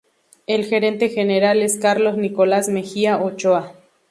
El gerente general es Carlos Nicolás Mejía Ochoa.